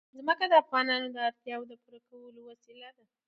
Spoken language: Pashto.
ځمکه د افغانانو د اړتیاوو د پوره کولو وسیله ده.